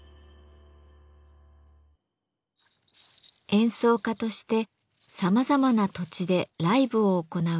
演奏家としてさまざまな土地でライブを行う平井さん。